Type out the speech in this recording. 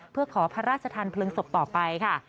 เพื่อขอพระราชทานเพลิงศพต่อไปค่ะ